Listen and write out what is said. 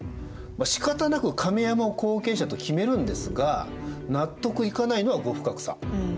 しかたなく亀山を後継者と決めるんですが納得いかないのは後深草。